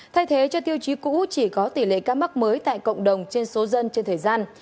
thay thế cho tiêu chí cũ chỉ có tỷ lệ ca mắc mới tại cộng đồng trên số dân trên thời gian